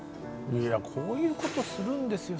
こういうことするんですよ